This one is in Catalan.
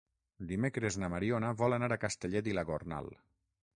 Dimecres na Mariona vol anar a Castellet i la Gornal.